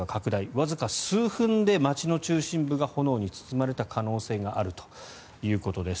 わずか数分で街の中心部が炎に包まれた可能性があるということです。